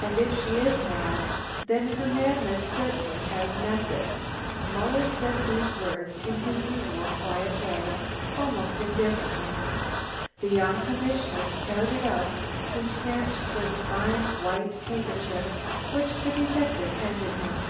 And if she is mad, then her madness certainly has method." Muller said these words in his usual quiet way, almost indifferently. The young commissioner started up and snatched for the fine white handkerchief which the detective handed him.